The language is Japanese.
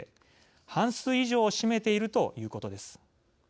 半数以上を占めているということです。